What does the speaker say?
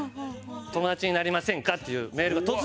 「友達になりませんか？」っていうメールが突然入ってくるの。